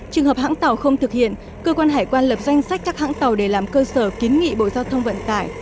trường hợp hãng tàu không thực hiện cơ quan hải quan lập danh sách các hãng tàu để làm cơ sở kiến nghị bộ giao thông vận tải